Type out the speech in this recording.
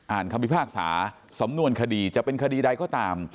คำพิพากษาสำนวนคดีจะเป็นคดีใดก็ตาม